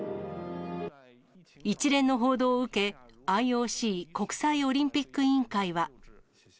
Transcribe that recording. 一連の報道を受け、ＩＯＣ・国際オリンピック委員会は。